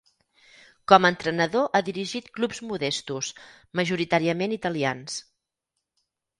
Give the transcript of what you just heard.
Com a entrenador ha dirigit clubs modestos, majoritàriament italians.